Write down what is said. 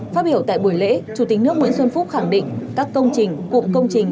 phát biểu tại buổi lễ chủ tịch nước nguyễn xuân phúc khẳng định các công trình cụm công trình